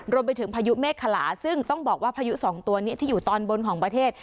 พายุเมฆขลาซึ่งต้องบอกว่าพายุสองตัวนี้ที่อยู่ตอนบนของประเทศ